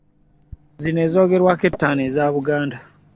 Zino ezoogerwako ettaano eza Buganda